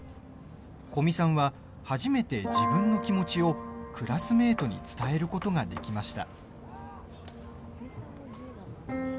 古見さんは初めて自分の気持ちをクラスメートに伝えることができました。